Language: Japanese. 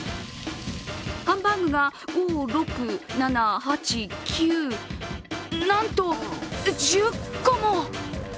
ハンバーグが５、６、７、８、９なんと１０個も！